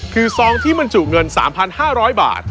คือซองที่บรรจุเงิน๓๕๐๐บาท